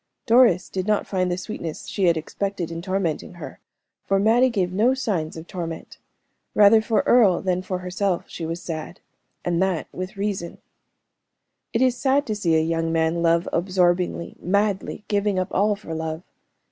Doris did not find the sweetness she had expected in tormenting her, for Mattie gave no signs of torment rather for Earle than for herself she was sad, and that with reason. It is sad to see a young man love absorbingly, madly, giving up all for love.